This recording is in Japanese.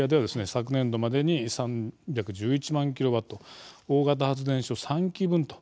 昨年度までに３１１万キロワット大型発電所３基分と。